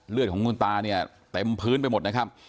เลือดของคุณตาเนี่ยเต็มพื้นไปหมดนะครับ